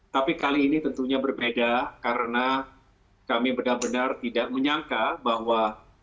tapi kali ini tentunya berbeda karena kami benar benar tidak menyangka bahwa